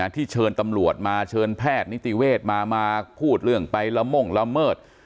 ที่เชิญตำรวจมาเชิญแพทย์นิติเวศมามาพูดเรื่องไปละม่งละเมิด